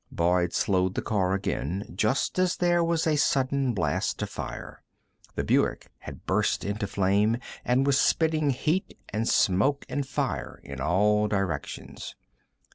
Boyd slowed the car again, just as there was a sudden blast of fire. The Buick had burst into flame and was spitting heat and smoke and fire in all directions.